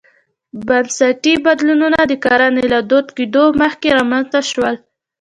بنسټي بدلونونه د کرنې له دود کېدو مخکې رامنځته شول.